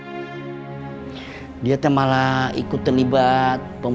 hai pembunuhnya di atas rumahnya makna dia terus keluar oh iya iya sebentar ya